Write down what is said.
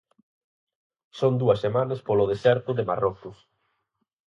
Son dúas semanas polo deserto de Marrocos.